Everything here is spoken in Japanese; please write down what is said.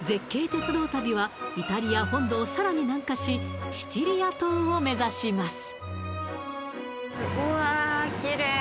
鉄道旅はイタリア本土をさらに南下しシチリア島を目指します